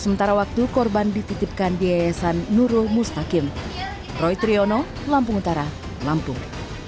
sementara waktu korban dititipkan di yayasan nurul mustaqim roy triyono lampung utara lampung